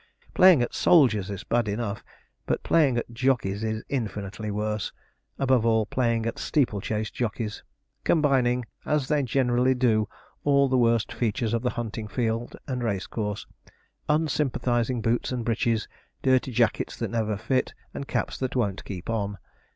Playing at soldiers is bad enough, but playing at jockeys is infinitely worse above all, playing at steeple chase jockeys, combining, as they generally do, all the worst features of the hunting field and racecourse unsympathizing boots and breeches, dirty jackets that never fit, and caps that won't keep on.